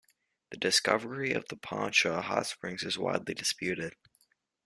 The discovery of the Poncha hot springs is widely disputed.